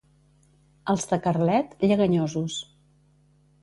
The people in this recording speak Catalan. Els de Carlet, lleganyosos.